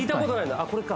ああこれか。